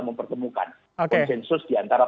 mempertemukan konsensus diantara